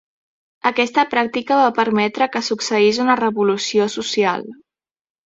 Aquesta pràctica va permetre que succeís una revolució social.